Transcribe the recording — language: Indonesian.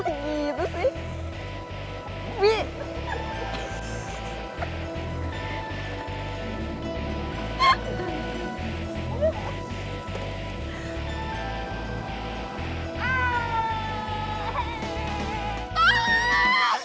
saya gak tersinggung